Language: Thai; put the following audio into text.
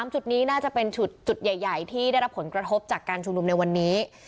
จุดนี้น่าจะเป็นจุดใหญ่ที่ได้รับผลกระทบจากการชุมนุมในวันนี้